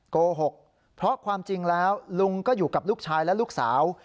โกหกเพราะความจริงแล้วลุงก็อยู่กับลูกชายและลูกสาว